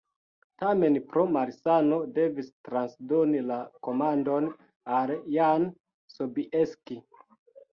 Tamen pro malsano devis transdoni la komandon al Jan Sobieski.